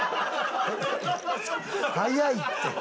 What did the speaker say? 早いって。